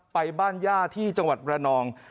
ไปบ้านย่าที่จังหวัดระนอง